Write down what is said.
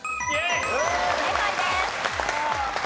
正解です。